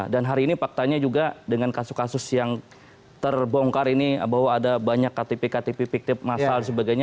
hari ini faktanya juga dengan kasus kasus yang terbongkar ini bahwa ada banyak ktp ktp fiktif masal dan sebagainya